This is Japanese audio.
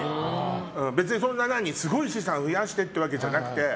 別に、すごい資産を増やしてってわけじゃなくて。